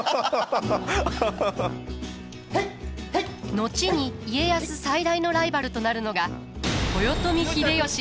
後に家康最大のライバルとなるのが豊臣秀吉。